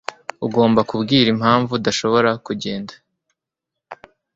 Ugomba kubwira impamvu udashobora kugenda.